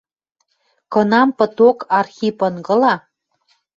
Кынам пыток Архип ынгыла